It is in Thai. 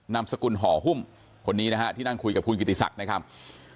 นามสกุลห่อหุ้มคนนี้นะฮะที่นั่งคุยกับคุณกิติศักดิ์นะครับ